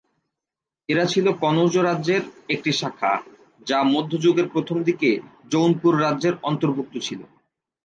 এরা ছিল কনৌজ রাজ্যের একটি শাখা, যা মধ্যযুগের প্রথমদিকে জৌনপুর রাজ্যের অন্তর্ভুক্ত ছিল।